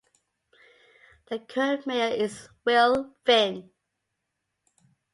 The current Mayor is Will Finn.